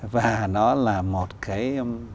và nó là một cái